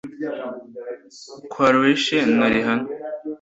Karrueche na Rihanna